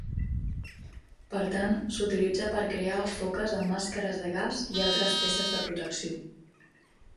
Per tant, s'utilitza per crear foques en màscares de gas i altres peces de protecció.